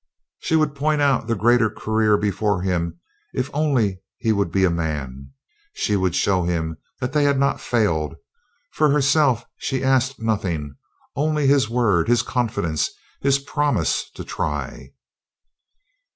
She would point out the greater career before him if only he would be a man; she would show him that they had not failed. For herself she asked nothing, only his word, his confidence, his promise to try.